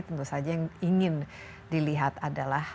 tentu saja yang ingin dilihat adalah